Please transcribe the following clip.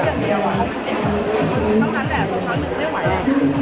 อัลวงตลอด